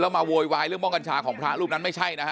มาโวยวายเรื่องม่องกัญชาของพระรูปนั้นไม่ใช่นะฮะ